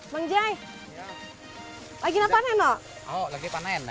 nanti kita bahas bahasa indonesia sejak kejadian